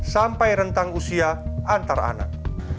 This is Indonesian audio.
sampai rentang usia antar anak